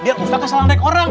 biar ustadz kesalahan dari orang